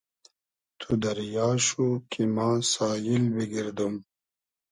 تو دئریا شو کی ما ساییل بیگئردوم